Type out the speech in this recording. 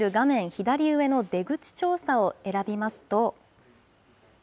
左上の出口調査を選びますと。